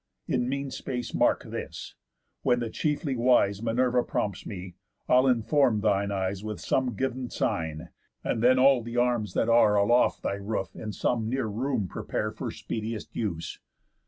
In mean space, mark this: When the chiefly wise Minerva prompts me, I'll inform thine eyes With some giv'n sign, and then all th' arms that are Aloft thy roof in some near room prepare For speediest use.